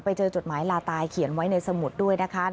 จดหมายลาตายเขียนไว้ในสมุดด้วยนะคะ